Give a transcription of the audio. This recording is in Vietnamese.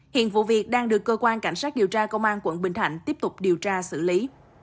hiện vụ việc đang được cơ quan cảnh sát điều tra công an quận bình thạnh tiếp tục điều tra xử lý